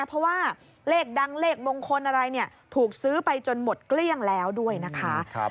เพราะว่าเลขดังเลขมงคลอะไรเนี่ยถูกซื้อไปจนหมดเกลี้ยงแล้วด้วยนะคะ